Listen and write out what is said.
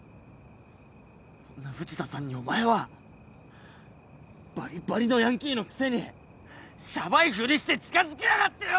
そんな藤田さんにお前はバリバリのヤンキーのくせにシャバいふりして近づきやがってよ！